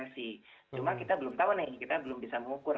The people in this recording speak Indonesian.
cuma kita belum tahu nih kita belum bisa mengukur